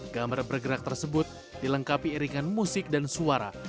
gambar bergerak tersebut dilengkapi iringan musik dan suara